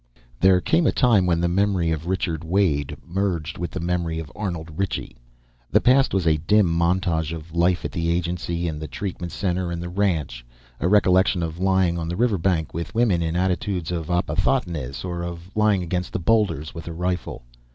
There came a time when the memory of Richard Wade merged with the memory of Arnold Ritchie. The past was a dim montage of life at the agency and the treatment center and the ranch, a recollection of lying on the river bank with women in attitudes of opisthotonos or of lying against the boulders with a rifle.